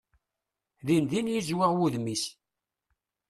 Din din yezwiɣ wudem-is.